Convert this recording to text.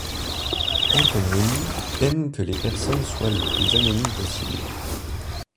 Antonioni aime que les personnages soient les plus anonymes possibles.